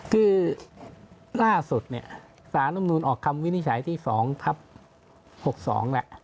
คือล่าสุดสหรัฐละมูลออกคำวินิจฉัยที่๒ทับ๖๒แล้ว